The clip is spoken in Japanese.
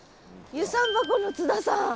遊山箱の津田さん。